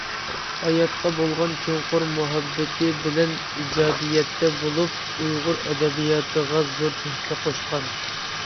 ھاياتقا بولغان چوڭقۇر مۇھەببىتى بىلەن ئىجادىيەتتە بولۇپ، ئۇيغۇر ئەدەبىياتىغا زور تۆھپە قوشقان.